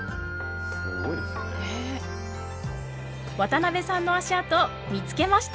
渡辺さんの足跡見つけました！